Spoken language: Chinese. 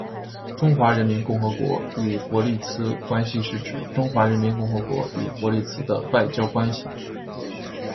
中华人民共和国与伯利兹关系是指中华人民共和国与伯利兹的外交关系。